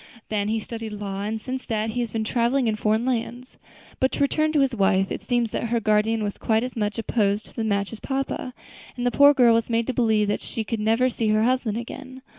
Then he studied law, and since that he has been traveling in foreign lands. But to return to his wife; it seems that her guardian was quite as much opposed to the match as papa; and the poor girl was made to believe that she should never see her husband again.